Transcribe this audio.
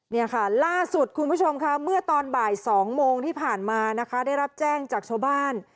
นี่ค่ะล่าสุดคุณผู้ชมค่ะเมื่อตอนบ่าย๒โมงที่ผ่านมานะคะได้รับแจ้งจากชาวบ้าน